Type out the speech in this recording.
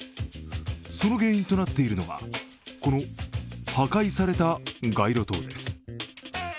その原因となっているのが、この破壊された街路灯です。